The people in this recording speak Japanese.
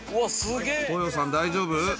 豊さん、大丈夫？